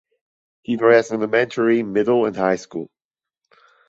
Kiefer has an elementary, middle and high school.